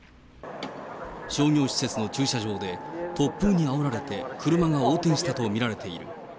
商業施設の駐車場で、突風にあおられて車が横転したと見られている。